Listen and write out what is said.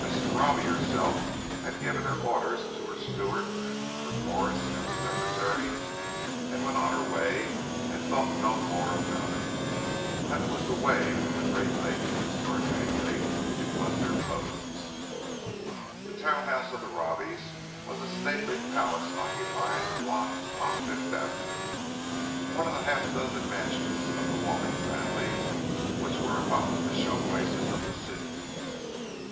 Mrs. Robbie herself had given her orders to her steward and her florist and her secretary, and went on her way and thought no more about it. That was the way of the great ladies—or, at any rate, it was their pose. The town house of the Robbies was a stately palace occupying a block upon Fifth Avenue—one of the half dozen mansions of the Walling family which were among the show places of the city.